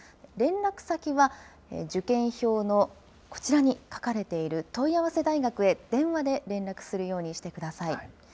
連絡先は、受験票のこちらに書かれている、問合せ大学へ電話で連絡するようにしてください。